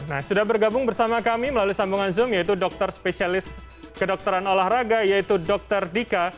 nah sudah bergabung bersama kami melalui sambungan zoom yaitu dokter spesialis kedokteran olahraga yaitu dokter dika